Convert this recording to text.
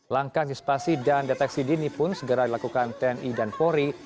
langkah antisipasi dan deteksi dini pun segera dilakukan tni dan polri